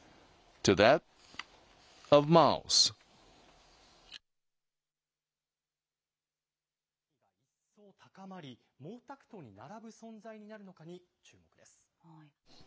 習主席の権威が、一層高まり、毛沢東に並ぶ存在になるのかに注目です。